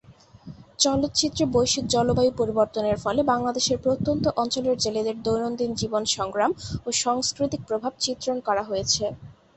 চলচ্চিত্রে বৈশ্বিক জলবায়ু পরিবর্তনের ফলে বাংলাদেশের প্রত্যন্ত অঞ্চলের জেলেদের দৈনন্দিন জীবন সংগ্রাম ও সংস্কৃতিক প্রভাব চিত্রণ করা হয়েছে।